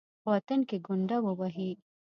باطن کې ګونډه ووهي.